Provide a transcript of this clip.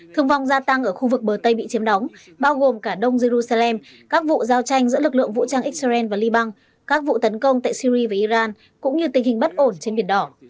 thương vong gia tăng ở khu vực bờ tây bị chiếm đóng bao gồm cả đông jerusalem các vụ giao tranh giữa lực lượng vũ trang israel và liban các vụ tấn công tại syri và iran cũng như tình hình bất ổn trên biển đỏ